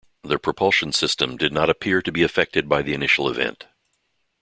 The propulsion system did not appear to be affected by the initial event.